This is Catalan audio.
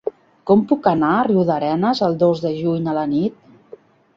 Com puc anar a Riudarenes el dos de juny a la nit?